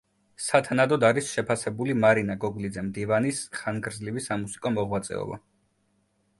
სათანადოდ არის შეფასებული მარინა გოგლიძე–მდივანის ხანგრძლივი სამუსიკო მოღვაწეობა.